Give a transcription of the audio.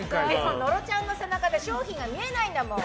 野呂ちゃんの背中で商品が見えないんだもん！